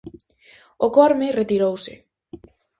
O Corme retirouse.